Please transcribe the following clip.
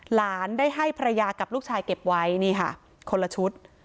หลานได้ให้ภรรยากับลูกชายเก็บไว้นี่ค่ะคนละชุด